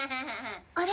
あれ？